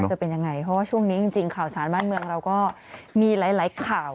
จะเป็นยังไงเพราะว่าช่วงนี้จริงข่าวสารบ้านเมืองเราก็มีหลายข่าว